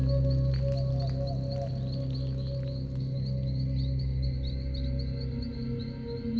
โอ้โฮ